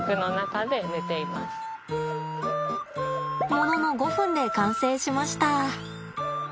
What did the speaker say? ものの５分で完成しました。